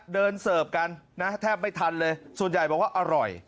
เสิร์ฟกันนะแทบไม่ทันเลยส่วนใหญ่บอกว่าอร่อย